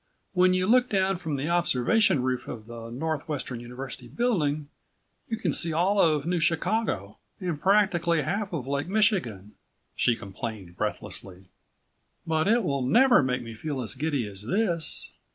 "When you look down from the observation roof of the North Western University Building you can see all of New Chicago, and practically half of Lake Michigan," she complained breathlessly. "But it never made me feel as giddy as this."